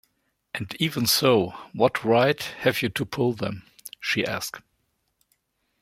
“And even so — what right have you to pull them?” she asked.